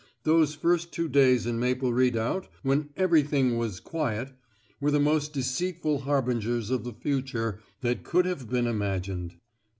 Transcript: Those first two days in Maple Redoubt, when "everything was quiet," were the most deceitful harbingers of the future that could have been imagined.